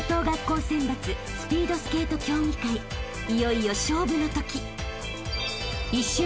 ［いよいよ勝負の時］